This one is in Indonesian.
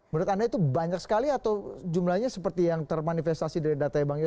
menurut anda itu banyak sekali atau jumlahnya seperti yang termanifestasi dari datanya bang yo